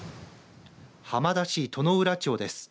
浜田市外ノ浦町です。